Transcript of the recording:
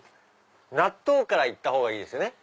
納豆からいった方がいいですね。